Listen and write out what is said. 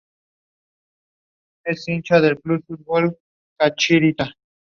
The series is directed and written by Nimal Rathnayake.